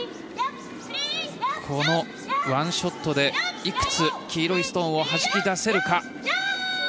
このワンショットでいくつ黄色いストーンをはじき出せるか。